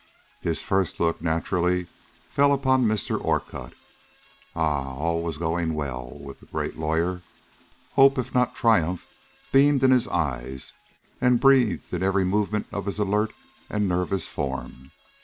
His first look naturally fell upon Mr. Orcutt. Ah! all was going well with the great lawyer. Hope, if not triumph, beamed in his eye and breathed in every movement of his alert and nervous form.